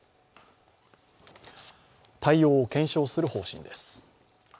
対応を検証する方針です。